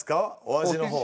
お味の方。